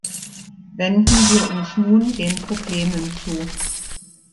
Wenden wir uns nun den Problemen zu.